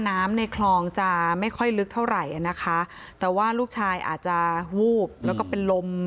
น้ำในคลองจะไม่ค่อยลึกเท่าไหร่อ่ะนะคะแต่ว่าลูกชายอาจจะวูบแล้วก็เป็นลม